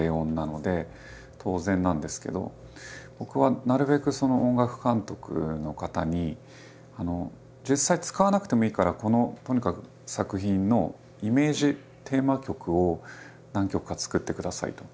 僕はなるべく音楽監督の方に実際使わなくてもいいからこのとにかく作品のイメージテーマ曲を何曲か作ってくださいと。